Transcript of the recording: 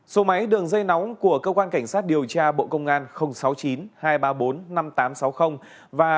số máy đường dây nóng của công an cảnh sát điều tra bộ công an sáu mươi chín hai trăm ba mươi bốn năm nghìn tám trăm sáu mươi và sáu mươi chín hai trăm ba mươi hai